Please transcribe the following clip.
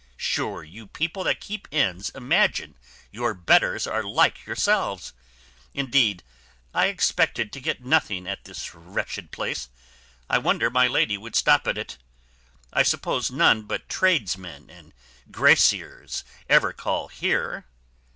Sure you people that keep inns imagine your betters are like yourselves. Indeed, I expected to get nothing at this wretched place. I wonder my lady would stop at it. I suppose none but tradesmen and grasiers ever call here."